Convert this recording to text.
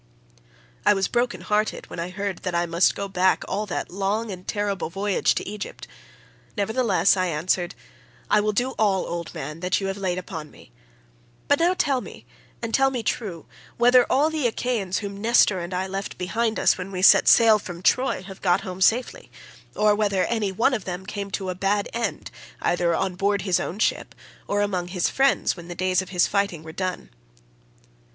"I was broken hearted when I heard that I must go back all that long and terrible voyage to Egypt;47 nevertheless, I answered, 'I will do all, old man, that you have laid upon me; but now tell me, and tell me true, whether all the Achaeans whom Nestor and I left behind us when we set sail from Troy have got home safely, or whether any one of them came to a bad end either on board his own ship or among his friends when the days of his fighting were done.